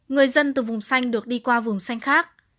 người dân từ vùng xanh được đi qua vùng xanh khác